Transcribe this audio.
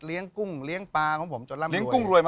เลี้ยงกุ้งเลี้ยงปลาของผมจนร่ำรวย